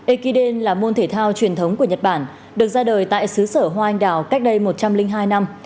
ekiden là môn thể thao truyền thống của nhật bản được ra đời tại xứ sở hoa anh đào cách đây một trăm linh hai năm